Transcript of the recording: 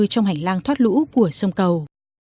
trong hành lang thoát lũ của sông cầu